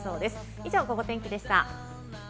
以上、ゴゴ天気でした。